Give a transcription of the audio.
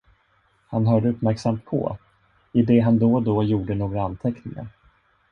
Han hörde uppmärksamt på, i det han då och då gjorde några anteckningar.